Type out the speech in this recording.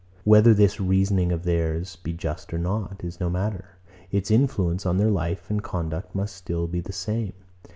Whether this reasoning of theirs be just or not, is no matter. Its influence on their life and conduct must still be the same.